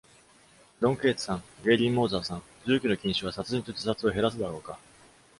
ドン・ケイツさん、ゲイリー・モーザーさん、銃器の禁止は殺人と自殺を減らすだろうか？